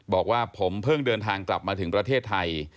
บอกว่าผมเพิ่งเดินทางกลับมาถึงประเทศไทย